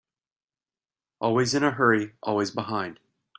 Always in a hurry, always behind.